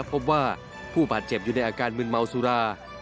พบว่าผู้บาดเจ็บอยู่ในอาการมืนเมาสุรา